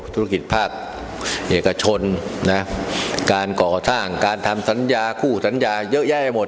ธุรกิจภาคเอกชนนะการก่อสร้างการทำสัญญาคู่สัญญาเยอะแยะไปหมด